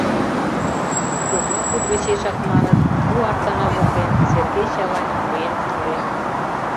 Тюрьма кудывечешак, маныт, пу артана воктен, Сергей Чавайным лӱен сӱмыреныт.